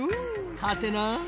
はてな。